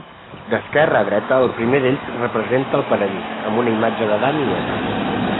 D'esquerra a dreta, el primer d'ells representa el Paradís, amb una imatge d'Adam i Eva.